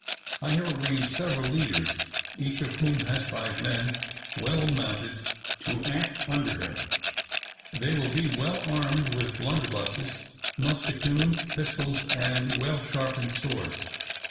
I have arranged several leaders, each of whom has five men well mounted to act under him. They will be well armed with blunderbusses, musketoons, pistols, and well sharpened swords.